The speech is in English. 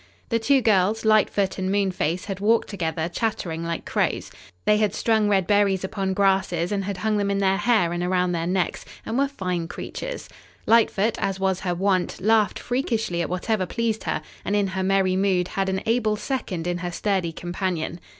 The two girls, Lightfoot and Moonface, had walked together, chattering like crows. They had strung red berries upon grasses and had hung them in their hair and around their necks, and were fine creatures. Lightfoot, as was her wont, laughed freakishly at whatever pleased her, and in her merry mood had an able second in her sturdy companion.